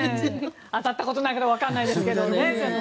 当たったことないからわからないですけどね末延さん。